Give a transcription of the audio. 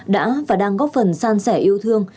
đã và đang góp phần san sẻ yêu thương